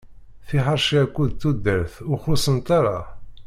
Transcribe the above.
Tiḥerci aked tudert ur xuṣṣent ara.